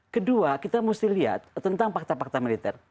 kedua kita mesti lihat tentang fakta fakta militer